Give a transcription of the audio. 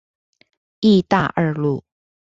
義大二路